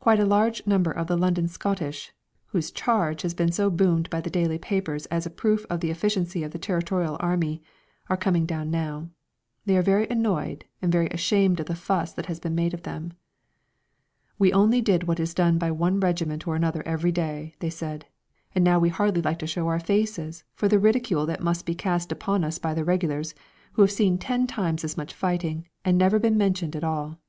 Quite a number of the London Scottish whose "charge" has been so boomed by the daily papers as a proof of the efficiency of the Territorial Army are coming down now. They are very annoyed and very ashamed of the fuss that has been made of them. "We only did what is done by one regiment or another every day," they said, "and now we hardly like to show our faces for the ridicule that must be cast upon us by the Regulars, who have seen ten times as much fighting and never been mentioned at all."